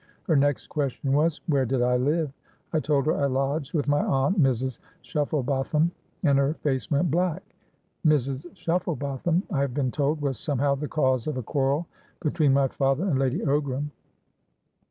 Her next question was, where did I live? I told her I lodged with my aunt, Mrs. Shufflebotham; and her face went black. Mrs. Shufflebotham, I have been told, was somehow the cause of a quarrel between my father and Lady Ogram.